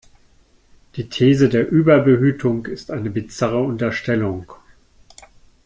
Die These der Überbehütung ist eine bizarre Unterstellung.